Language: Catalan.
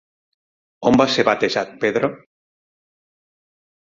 On va ser batejat Pedro?